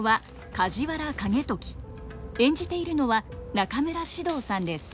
演じているのは中村獅童さんです。